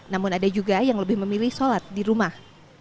namun ada juga yang lebih memilih sholat di rumah